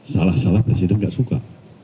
salah salah presiden nggak suka